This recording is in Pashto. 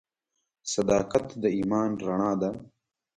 • صداقت د ایمان رڼا ده.